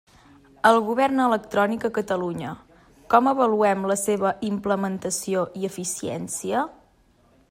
El govern electrònic a Catalunya: com avaluem la seva implementació i eficiència?